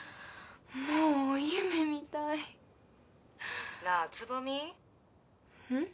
もう夢みたい☎なあ蕾未うん？